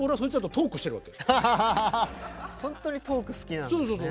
ほんとにトーク好きなんですね。